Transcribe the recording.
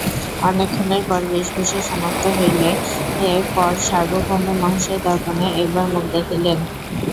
অনেক ক্ষণের পর বেশভূষা সমাপ্ত হইলে পর সার্বভৌম মহাশয় দর্পণে একবার মুখ দেখিলেন।